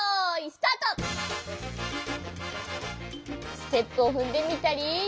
ステップをふんでみたり。